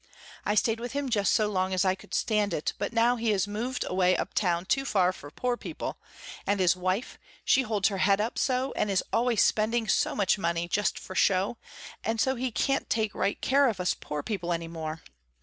I stayed with him just so long as I could stand it, but now he is moved away up town too far for poor people, and his wife, she holds her head up so and always is spending so much money just for show, and so he can't take right care of us poor people any more.